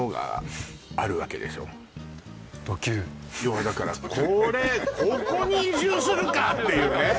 要はだからこれここに移住するかっていうね